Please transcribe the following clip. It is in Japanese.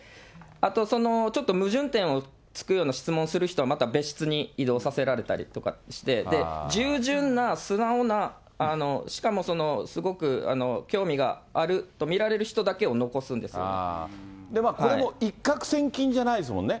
あと、矛盾点をちょっと突くような質問をする人は、また別室に移動させられたりとかして、従順な素直なしかもすごく興味があると見られる人だけを残すんでこれも一獲千金じゃないですもんね。